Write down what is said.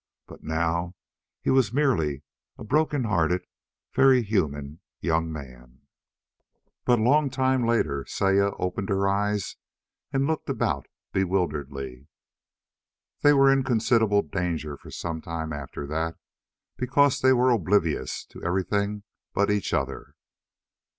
But now he was merely a broken hearted, very human young man. But a long time later Saya opened her eyes and looked about bewilderedly. They were in considerable danger for some time after that, because they were oblivious to everything but each other.